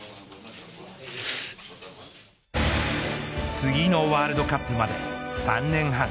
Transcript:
次のワールドカップまで３年半。